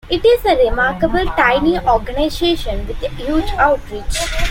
It is a remarkable, tiny organization with a huge outreach.